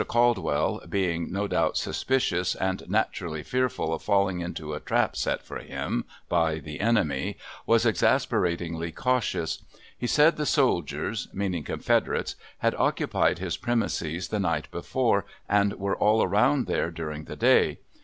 Caldwell, being, no doubt, suspicious, and naturally fearful of falling into a trap set for him by the enemy, was exasperatingly cautious. He said the soldiers (meaning Confederates) had occupied his premises the night before and were all around there during the day.